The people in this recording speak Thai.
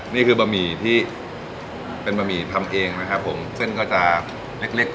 นี่คือบะหมี่ที่เป็นบะหมี่ทำเองนะครับผมเส้นก็จะเล็กเล็ก